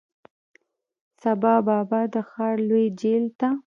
سبا بابا د ښار لوی جیل ته،